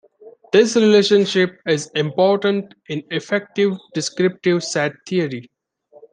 This relationship is important in effective descriptive set theory.